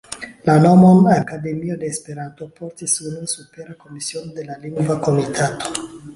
La nomon "Akademio de Esperanto" portis unue supera komisiono de la Lingva Komitato.